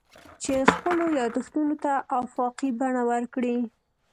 چې خپلو یادښتونو ته افاقي بڼه ورکړي.